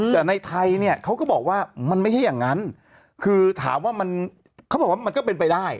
แต่ในไทยเนี่ยเขาก็บอกว่ามันไม่ใช่อย่างนั้นคือถามว่ามันเขาบอกว่ามันก็เป็นไปได้